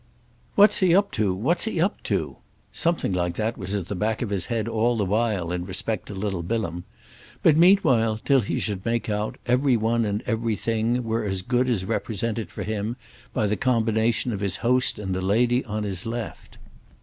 "What's he up to, what's he up to?"—something like that was at the back of his head all the while in respect to little Bilham; but meanwhile, till he should make out, every one and every thing were as good as represented for him by the combination of his host and the lady on his left.